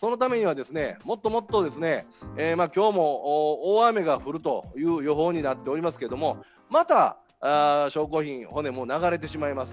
そのためにはもっともっと、今日も大雨が降るという予報になっておりますけれども、また証拠品、骨も流れてしまいます